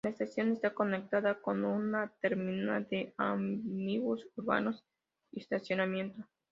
La estación está conectada con una Terminal de Ómnibus Urbanos y estacionamiento.